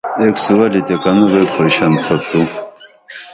اِک سو لتیہ کنو بئی کھوشن تھوپ تو